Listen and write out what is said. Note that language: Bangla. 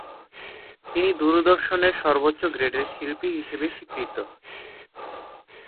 তিনি দূরদর্শনের সর্বোচ্চ গ্রেডের শিল্পী হিসেবে স্বীকৃত।